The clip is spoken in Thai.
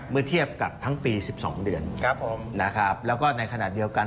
เมื่อเทียบกับทั้งปี๑๒เดือนนะครับแล้วก็ในขณะเดียวกัน